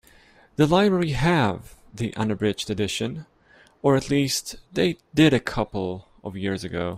The library have the unabridged edition, or at least they did a couple of years ago.